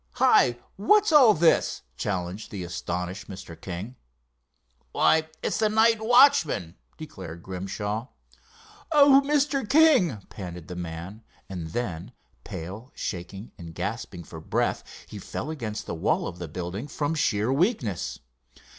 "Hi! what's all this?" challenged the astonished Mr. King. "Why, it's the night watchman!" declared Grimshaw. "Oh, Mr. King!" panted the man, and then, pale, shaking, and gasping for breath, he fell against the wall of the building from sheer weakness.